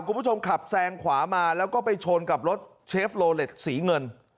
คุณผู้ชมขับแซงขวามาแล้วก็ไปชนกับรถเชฟโลเล็ตสีเงิน